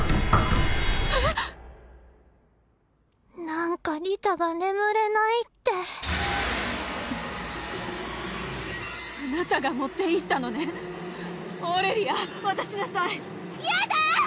何かリタが眠れないってあなたが持っていったのねオーレリア渡しなさいヤダ！